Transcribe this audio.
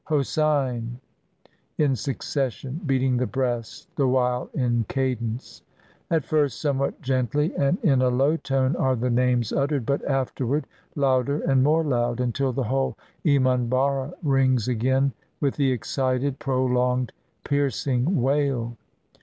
"Hosein!" in succession, beating the breast the while in cadence. At first somewhat gently and in a 203 INDIA low tone are the names uttered, but afterward louder and more loud, until the whole emanbarra rings again with the excited, prolonged, piercing wail.